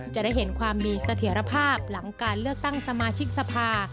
จะได้เห็นความมีเสถียรภาพหลังการเลือกตั้งสมาชิกสภา